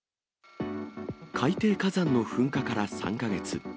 海底火山の噴火から３か月。